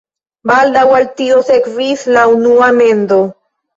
Baldaŭ al tio sekvis la unua mendo.